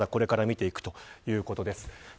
これから見ていくということです。